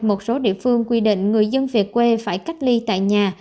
một số địa phương quy định người dân về quê phải cách ly tại nhà